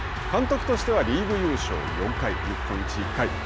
監督としては、リーグ優勝４回日本一、１回。